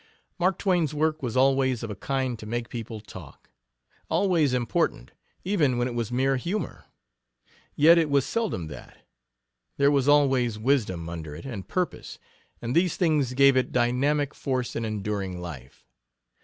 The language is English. Mark Twain's work was always of a kind to make people talk, always important, even when it was mere humor. Yet it was seldom that; there was always wisdom under it, and purpose, and these things gave it dynamic force and enduring life.